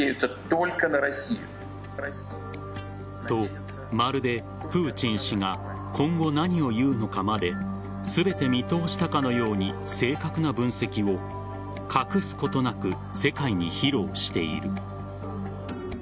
と、まるでプーチン氏が今後何を言うのかまで全て見通したかのように正確な分析を隠すことなく世界に披露している。